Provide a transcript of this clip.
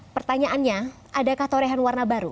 pertanyaannya adakah torehan warna baru